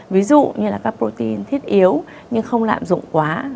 ví dụ như là các protein thiết yếu nhưng không lạm dụng quá